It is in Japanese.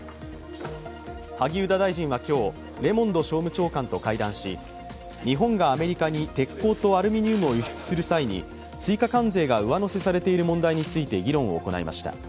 萩生田大臣は今日、レモンド商務長官と会談し日本がアメリカに鉄鋼とアルミニウムを輸出する際に追加関税が上乗せされている問題について議論を行いました。